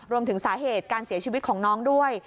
รวมถึงสาเหตุการเสียชีวิตของน้องด้วย